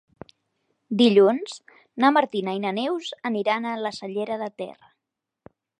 Dilluns na Martina i na Neus aniran a la Cellera de Ter.